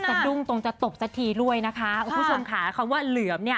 สัดดุงตรงจะตบสักทีด้วยนะคะคุณชนขาคำว่าเหลือมเนี่ย